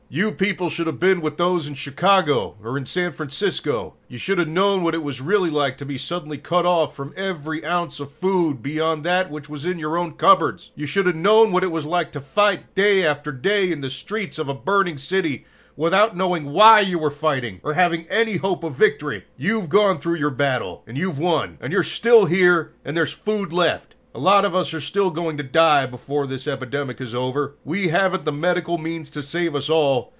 You people should have been with those in Chicago or in San Francisco. You should have known what it was really like to be suddenly cut off from every ounce of food beyond that which was in your own cupboards. You should have known what it was like to fight day after day in the streets of a burning city without knowing why you were fighting, or having any hope of victory. "You've gone through your battle, and you've won, and you're still here, and there's food left. A lot of us are still going to die before the epidemic is over. We haven't the medical means to save us all.